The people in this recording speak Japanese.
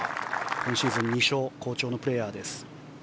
今シーズン２勝好調のプレーヤー。